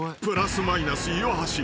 ［プラス・マイナス岩橋］